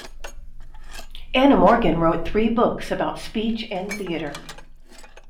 Anna Morgan wrote three books about speech and theatre.